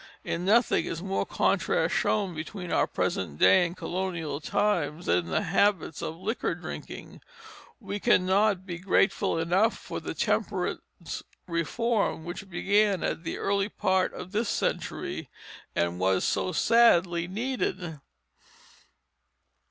In nothing is more contrast shown between our present day and colonial times than in the habits of liquor drinking. We cannot be grateful enough for the temperance reform, which began at the early part of this century, and was so sadly needed.